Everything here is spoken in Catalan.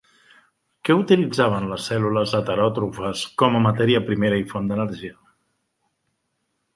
Què utilitzaven les cèl·lules heteròtrofes com a matèria primera i font d'energia?